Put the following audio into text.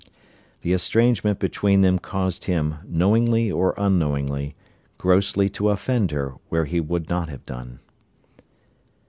The estrangement between them caused him, knowingly or unknowingly, grossly to offend her where he would not have done.